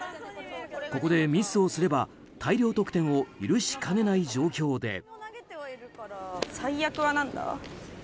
ここでミスをすれば大量得点を許しかねない状況で。